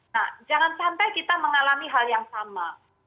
nah jangan sampai kita mengalami hal yang sama